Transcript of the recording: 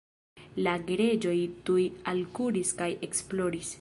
La gereĝoj tuj alkuris kaj ekploris.